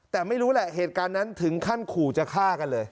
แต่ไม่รู้แหละเหตุการณ์นั้นถึงขั้นขู่จะฆ่ากันเลย